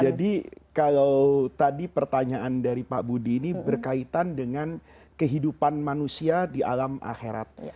jadi kalau tadi pertanyaan dari pak budi ini berkaitan dengan kehidupan manusia di alam akhirat